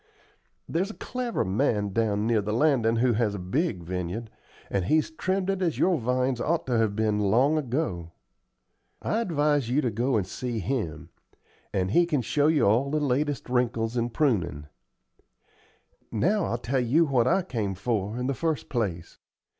There's a clever man down near the landin' who has a big vineyard, and he's trimmed it as your vines ought to have been long ago. I'd advise you to go and see him, and he can show you all the latest wrinkles in prunin'. Now, I'll tell you what I come for, in the first place.